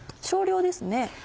少量ですね。